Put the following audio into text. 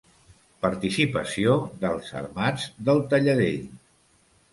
Participació dels Armats del Talladell.